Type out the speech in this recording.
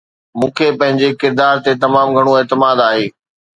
مون کي پنهنجي ڪردار تي تمام گهڻو اعتماد آهي